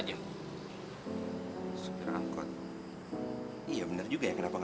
doanya asma terkaburkan